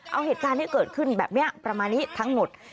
เอาเหตุการณ์ที่เกิดขึ้นแบบนี้ประมาณนี้ทั้งหมด